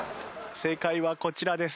正解はこちらです。